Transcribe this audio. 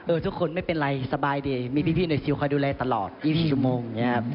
เออทุกคนไม่เป็นไรสบายดีมีพี่หน่อยซิวคอยดูแลตลอด๒๐ชั่วโมง